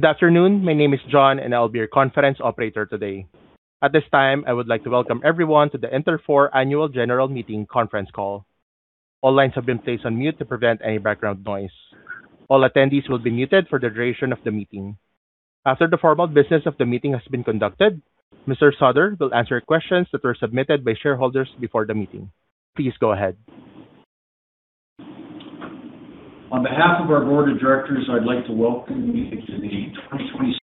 Good afternoon. My name is John, and I'll be your conference operator today. At this time, I would like to welcome everyone to the Interfor Annual General Meeting conference call. All lines have been placed on mute to prevent any background noise. All attendees will be muted for the duration of the meeting. After the formal business of the meeting has been conducted, Mr. Sauder will answer questions that were submitted by shareholders before the meeting. Please go ahead. On behalf of our board of directors, I'd like to welcome you to the twenty twenty-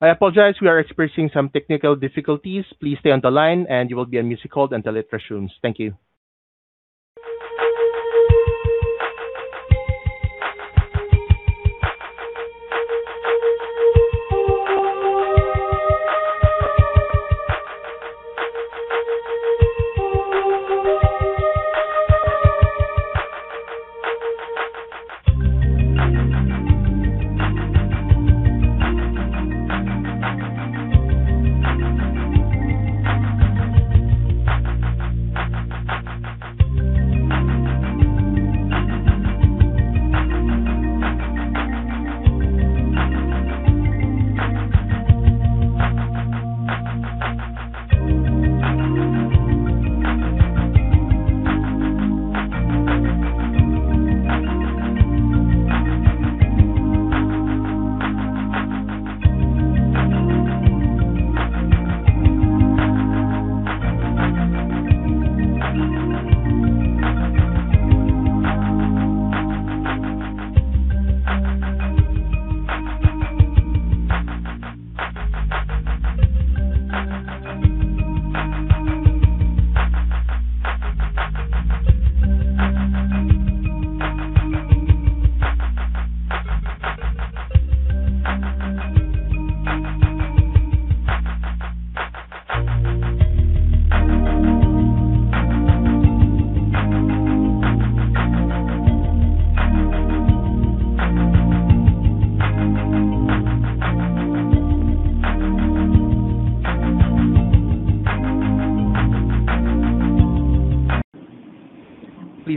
I apologize, we are experiencing some technical difficulties. Please stay on the line, and you will be unmuted until it resumes. Thank you.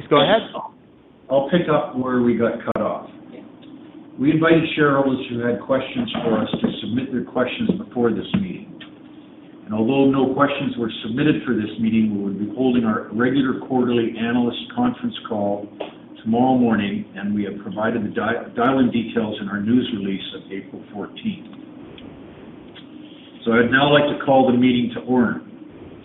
Please go ahead. I'll pick up where we got cut off. Although no questions were submitted for this meeting, we will be holding our regular quarterly analyst conference call tomorrow morning, and we have provided the dial-in details in our news release of April 14. I'd now like to call the meeting to order.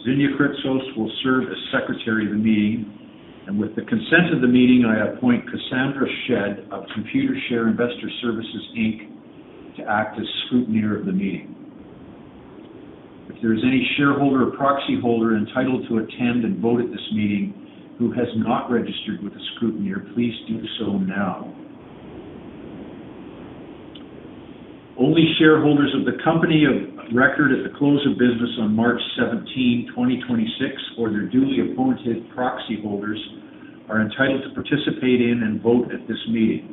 Xenia Kritsos will serve as secretary of the meeting. With the consent of the meeting, I appoint Cassandra Shedd of Computershare Investor Services Inc. to act as scrutineer of the meeting. If there is any shareholder or proxyholder entitled to attend and vote at this meeting who has not registered with the scrutineer, please do so now. Only shareholders of the company of record at the close of business on March 17, 2026 or their duly appointed proxyholders are entitled to participate in and vote at this meeting.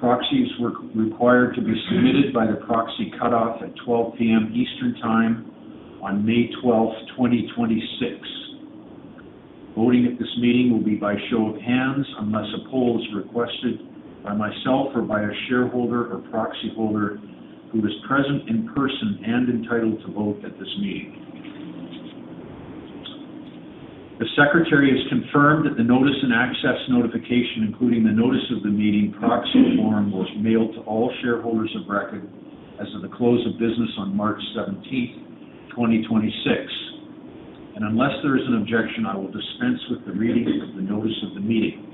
Proxies were required to be submitted by the proxy cutoff at 12:00 P.M. Eastern Time on May 12th, 2026. Voting at this meeting will be by show of hands unless a poll is requested by myself or by a shareholder or proxyholder who is present in person and entitled to vote at this meeting. The secretary has confirmed that the notice and access notification, including the notice of the meeting proxy form, was mailed to all shareholders of record as of the close of business on March 17th, 2026. Unless there is an objection, I will dispense with the reading of the notice of the meeting.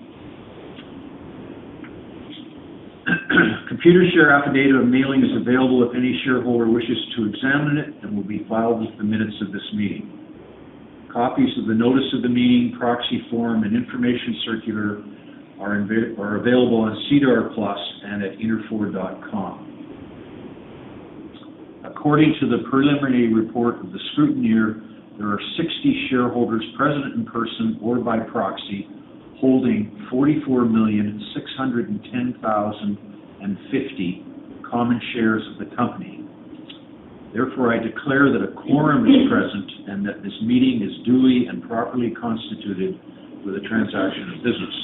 Computershare affidavit of mailing is available if any shareholder wishes to examine it and will be filed with the minutes of this meeting. Copies of the notice of the meeting, proxy form, and information circular are available on SEDAR+ and at interfor.com. According to the preliminary report of the scrutineer, there are 60 shareholders present in person or by proxy holding 44,610,050 common shares of the company. Therefore, I declare that a quorum is present and that this meeting is duly and properly constituted with the transaction of business.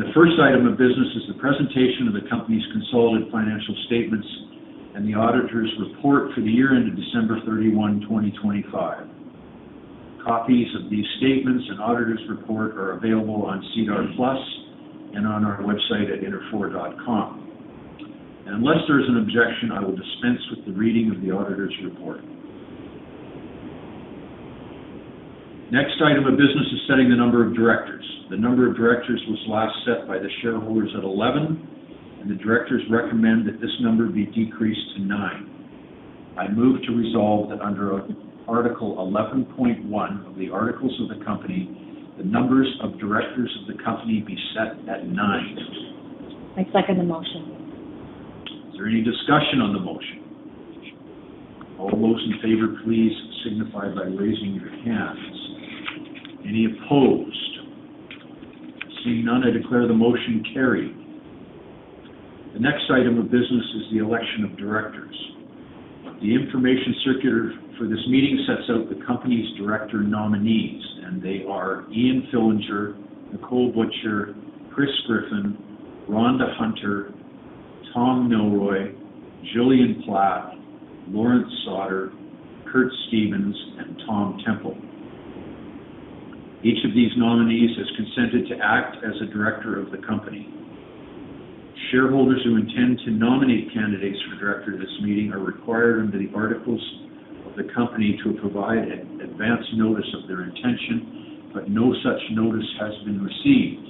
The first item of business is the presentation of the company's consolidated financial statements and the auditor's report for the year ended December 31, 2025. Copies of these statements and auditor's report are available on SEDAR+ and on our website at interfor.com. Unless there is an objection, I will dispense with the reading of the auditor's report. Next item of business is setting the number of directors. The number of directors was last set by the shareholders at 11, and the directors recommend that this number be decreased to nine. I move to resolve that under article 11.1 of the articles of the company, the numbers of directors of the company be set at nine. I second the motion Is there any discussion on the motion? All those in favor, please signify by raising your hands. Any opposed? Seeing none, I declare the motion carried. The next item of business is the election of directors. The information circular for this meeting sets out the company's director nominees, and they are Ian Fillinger, Nicolle Butcher, Chris Griffin, Rhonda Hunter, Tom Milroy, Gillian Platt, Lawrence Sauder, Curtis Stevens, and Tom Temple. Each of these nominees has consented to act as a director of the company. Shareholders who intend to nominate candidates for director of this meeting are required under the articles of the company to provide an advance notice of their intention, but no such notice has been received.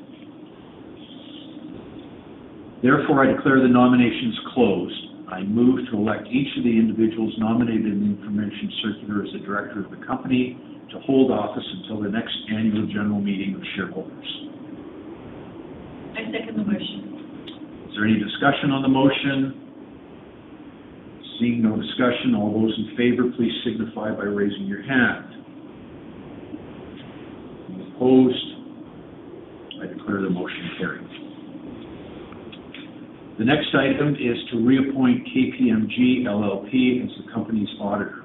Therefore, I declare the nominations closed. I move to elect each of the individuals nominated in the information circular as a director of the company to hold office until the next annual general meeting of shareholders. I second the motion. Is there any discussion on the motion? Seeing no discussion, all those in favor, please signify by raising your hand. Any opposed? I declare the motion carried. The next item is to reappoint KPMG LLP as the company's auditor.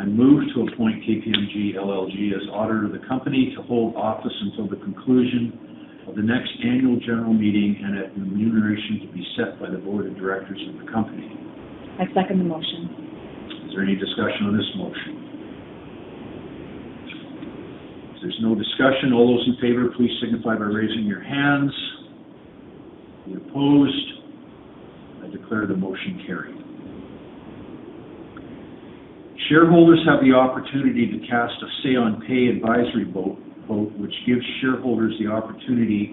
I move to appoint KPMG LLP as auditor of the company to hold office until the conclusion of the next annual general meeting and at remuneration to be set by the board of directors of the company. I second the motion. Is there any discussion on this motion? If there's no discussion, all those in favor, please signify by raising your hands. Any opposed? I declare the motion carried. Shareholders have the opportunity to cast a say on pay advisory vote which gives shareholders the opportunity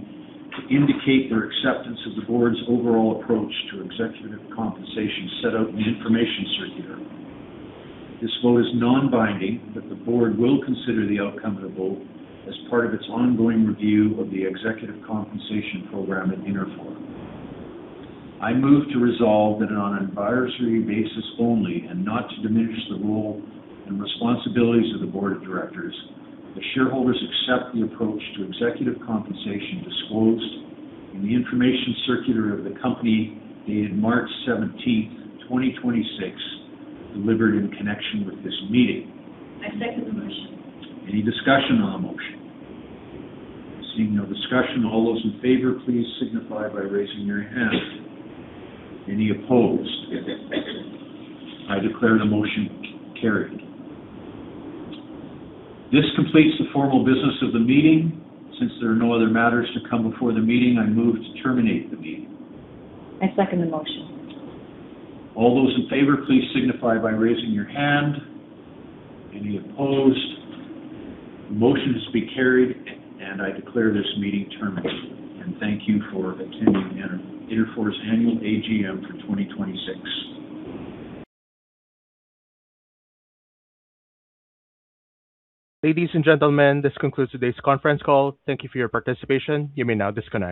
to indicate their acceptance of the board's overall approach to executive compensation set out in the information circular. This vote is non-binding, the board will consider the outcome of the vote as part of its ongoing review of the executive compensation program at Interfor. I move to resolve that on an advisory basis only and not to diminish the role and responsibilities of the board of directors. The shareholders accept the approach to executive compensation disclosed in the information circular of the company dated March 17th, 2026, delivered in connection with this meeting. I second the motion. Any discussion on the motion? Seeing no discussion, all those in favor, please signify by raising your hand. Any opposed? I declare the motion carried. This completes the formal business of the meeting. Since there are no other matters to come before the meeting, I move to terminate the meeting. I second the motion. All those in favor, please signify by raising your hand. Any opposed? The motion is to be carried, and I declare this meeting terminated. Thank you for attending Interfor's annual AGM for 2026. Ladies and gentlemen, this concludes today's conference call. Thank you for your participation. You may now disconnect.